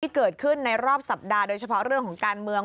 เกิดขึ้นในรอบสัปดาห์โดยเฉพาะเรื่องของการเมือง